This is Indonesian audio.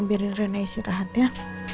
biarin rena isi rahat ya